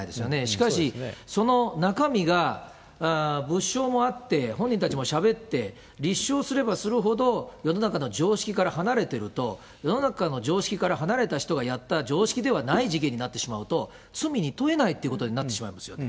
しかし、その中身が物証もあって、本人たちもしゃべって、立証すればするほど、世の中の常識から離れてると、世の中の常識から離れた人がやった常識ではない事件になってしまうと、罪に問えないということになってしまいますよね。